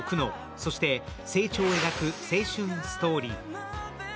そして成長を描く青春ストーリー。